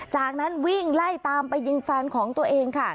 จากนั้นวิ่งไล่ตามไปยิงแฟนของตัวเองค่ะ